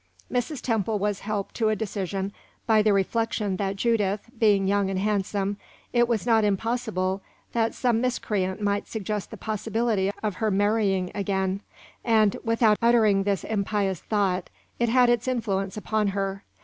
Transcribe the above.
Mrs. Temple was helped to a decision by the reflection that Judith, being young and handsome, it was not impossible that some miscreant might suggest the possibility of her marrying again; and, without uttering this impious thought, it had its influence upon her.